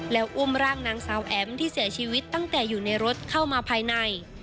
แล้วอุ้มร่างนางสาวแอ๋มที่เสียชีวิตตั้งแต่อยู่ในรถเข้ามาภายใน